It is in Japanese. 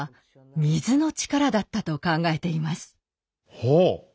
ほう！